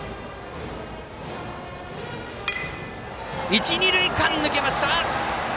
一、二塁間、抜けました！